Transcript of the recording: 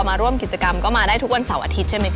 มาร่วมกิจกรรมก็มาได้ทุกวันเสาร์อาทิตย์ใช่ไหมค